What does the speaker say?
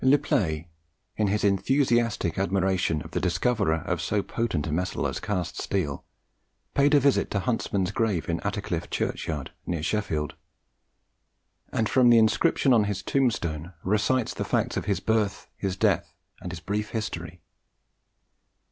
Le Play, in his enthusiastic admiration of the discoverer of so potent a metal as cast steel, paid a visit to Huntsman's grave in Atterclifle Churchyard, near Sheffield, and from the inscription on his tombstone recites the facts of his birth, his death, and his brief history.